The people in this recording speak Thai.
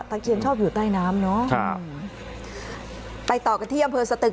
เคียนชอบอยู่ใต้น้ำเนอะครับไปต่อกันที่อำเภอสตึก